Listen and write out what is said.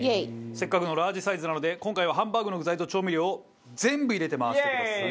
せっかくのラージサイズなので今回はハンバーグの具材と調味料を全部入れて回してください。